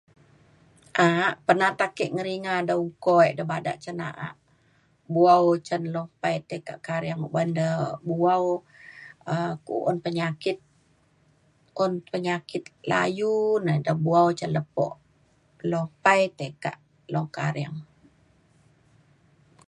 aak perna te ake ngeringa da uko e da bada cen na'a buwaw cen lo pai tai ka karieng uban de buwaw um ku'un penyakit un penyakit layu na ida buwaw cen lepo lopai tai ka long karieng